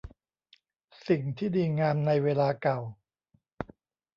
สิ่งที่ดีงามในเวลาเก่า